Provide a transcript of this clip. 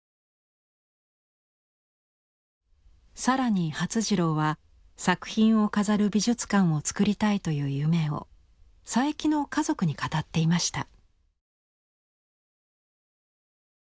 更に發次郎は作品を飾る美術館をつくりたいという夢を佐伯の家族に語っていました。